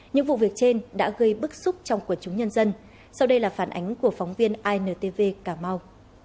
những vụ việc trên đã gây bức xúc trong quần chúng nhân dân sau đây là phản ánh của phóng viên intv cà mau